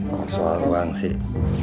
masalah uang sih